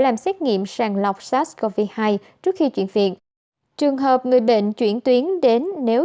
làm xét nghiệm sàng lọc sars cov hai trước khi chuyển viện trường hợp người bệnh chuyển tuyến đến nếu